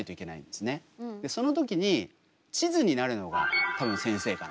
でその時に地図になるのが多分先生かな。